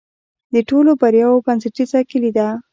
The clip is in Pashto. د ټولو بریاوو بنسټیزه کلي ده.